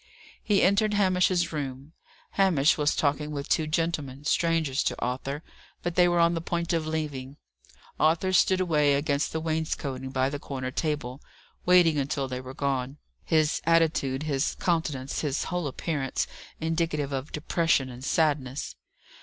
He entered Hamish's room. Hamish was talking with two gentlemen, strangers to Arthur, but they were on the point of leaving. Arthur stood away against the wainscoting by the corner table, waiting until they were gone, his attitude, his countenance, his whole appearance indicative of depression and sadness.